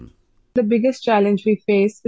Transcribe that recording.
pertanyaan terbesar yang kami hadapi